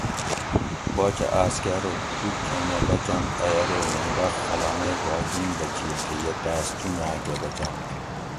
باچہ آس کہ ارو تو کھنگہ بچنت ائ ارو میں بخت فلانیٔ باگ نیِن بچیل تھی یہ تاۤس چونجاۤکہۤ بچنت